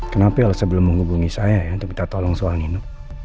kenapa elsa belum menghubungi saya untuk kita tolong soal nino